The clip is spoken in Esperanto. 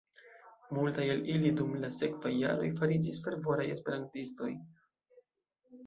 Multaj el ili dum la sekvaj jaroj fariĝis fervoraj esperantistoj.